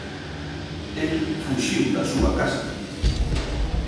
El fuxiu da súa casa.